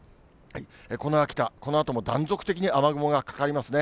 この秋田、このあとも断続的に雨雲がかかりますね。